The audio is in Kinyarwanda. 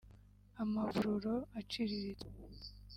amavururo aciriritse